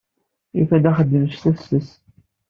Yufa-d axeddim s tefses.